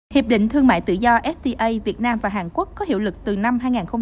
hiệp định thương mại tự do fta việt nam và hàn quốc có hiệu lực từ năm hai nghìn một mươi